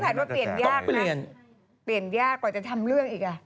แต่พี่ภัยว่าเปลี่ยนยากนะเปลี่ยนยากกว่าจะทำเรื่องอีก